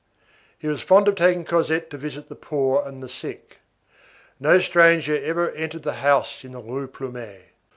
He was fond of taking Cosette to visit the poor and the sick. No stranger ever entered the house in the Rue Plumet.